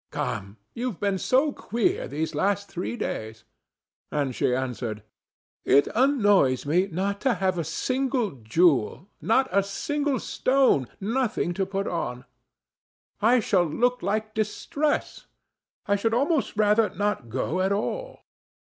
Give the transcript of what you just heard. Come, you've been so queer these last three days." And she answered: "It annoys me not to have a single jewel, not a single stone, nothing to put on. I shall look like distress. I should almost rather not go at all."